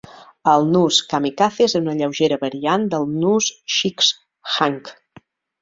El nus kamikaze és una lleugera variant del nus sheepshank.